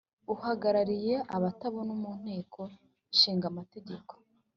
Uhagarariye abatabona munteko ishinga mategeko